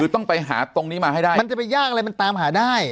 ต้องไปหาตรงนี้มาให้ได้มันจะไปยากอะไรมันตามหาได้